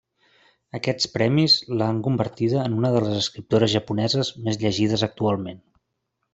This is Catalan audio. Aquests premis l'han convertida en una de les escriptores japoneses més llegides actualment.